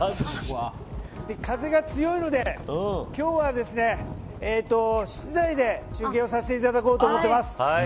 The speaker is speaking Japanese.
風が強いので今日は室内で中継をさせていただこうと思ってます。